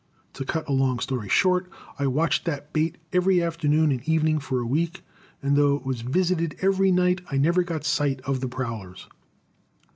To cut a long story short, I watched that bait every afternoon and evening for a week, and though it was visited every night I never got a sight of the prowlers.